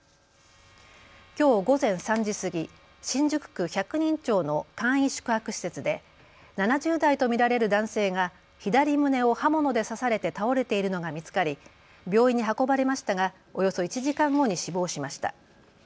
きょう午前３時過ぎ、新宿区百人町の簡易宿泊施設で７０代と見られる男性が左胸を刃物で刺されて倒れているのが見つかり病院に運ばれましたがおよそ１時間後に死亡しました。